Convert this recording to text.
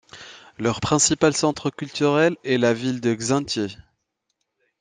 Leur principal centre culturel est la ville de Xánthi.